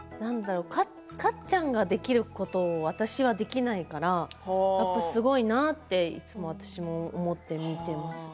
かっちゃんができることを私はできないからいつもすごいなと私思って見ています。